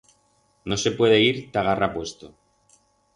No se puede ir ta garra puesto.